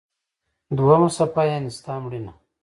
دوهمه صفحه: یعنی ستا مړینه.